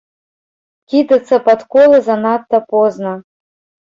Кідацца пад колы занадта позна.